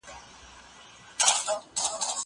زه به سبا سبزېجات وچوم وم.